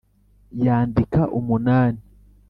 Yandika umunani